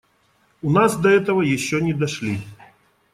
У нас до этого еще не дошли.